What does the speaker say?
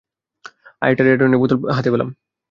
আরেকটা রেড ওয়াইনের বোতল পেলাম।